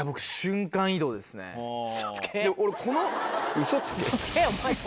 「ウソつけ」？